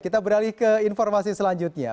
kita beralih ke informasi selanjutnya